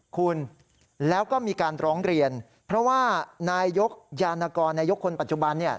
คุณแล้วก็มีการร้องเรียนเพราะว่านายยกยานกรนายกคนปัจจุบันเนี่ย